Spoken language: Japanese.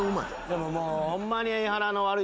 でももうホンマに。